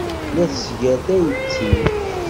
La tesgar tayet-iw.